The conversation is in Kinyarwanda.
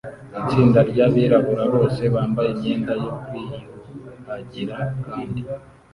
Itsinda ryabirabura bose bambaye imyenda yo kwiyuhagira kandi